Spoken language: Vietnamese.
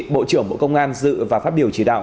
bộ trưởng bộ công an dự và phát biểu chỉ đạo